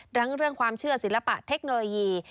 เรื่องความเชื่อศิลปะเทคโนโลยี